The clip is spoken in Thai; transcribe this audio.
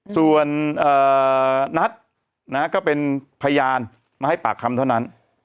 ส่วนนัทก็เป็นพยานมาให้ปากคำเท่านั้น